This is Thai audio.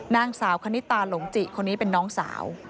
นางสาวคณิตาหลงจิคนนี้เป็นน้องสาว